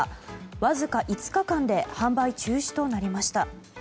わずか５日間で販売中止となりました。